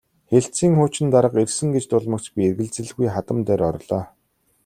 Хэлтсийн хуучин дарга ирсэн гэж дуулмагц би эргэлзэлгүй хадам дээр орлоо.